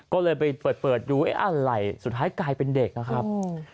ก็เลยไปเปิดดูเอ๊ะอะไรสุดท้ายกลายเป็นเด็กนะครับ